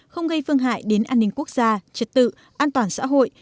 không gây phương hại đến an ninh quốc gia trật tự an toàn xã hội